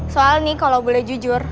soal nih kalau boleh jujur